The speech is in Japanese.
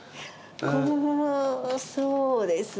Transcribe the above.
うんそうですね。